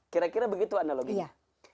kira kira begitu analoginya